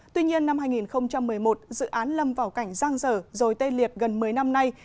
tuy nhiên năm hai nghìn một mươi một dự án lâm vào cảnh giang dở rồi tê liệt gần một mươi năm nay